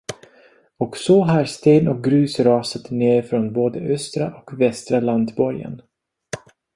Och så har sten och grus rasat ner från både östra och västra landborgen.